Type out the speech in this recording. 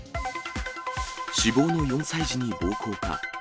死亡の４歳児に暴行か。